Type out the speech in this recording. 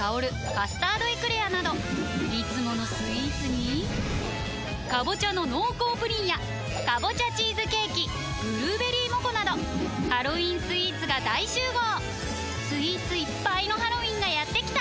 「カスタードエクレア」などいつものスイーツに「かぼちゃの濃厚プリン」や「かぼちゃチーズケーキ」「ぶるーべりーもこ」などハロウィンスイーツが大集合スイーツいっぱいのハロウィンがやってきた！